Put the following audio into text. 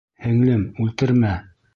Һеңлем, үлтермә!